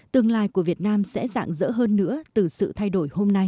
tương lai của việt nam sẽ dạng dỡ hơn nữa từ sự thay đổi hôm nay